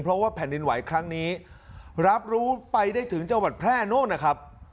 เพราะว่าแผ่นดินไหวครั้งนี้รับรู้ไปได้ถึงจังหวัดแพร่โน้นนะครับ